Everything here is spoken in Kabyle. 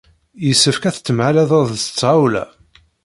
Yessefk ad tettmahaled s tɣawla.